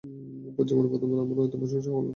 জীবনে প্রথমবার আমার এত প্রশংসা হলো।